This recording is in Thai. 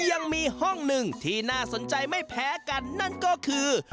ยังมีห้องหนึ่งที่น่าสนใจไม่แพ้กันนั่นก็คือ